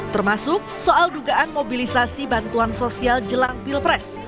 termasuk soal dugaan mobilisasi bantuan sosial jelang pilpres